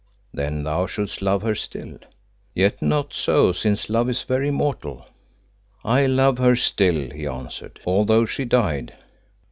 "Then thou shouldst love her still. Yet, not so, since love is very mortal." "I love her still," he answered, "although she died."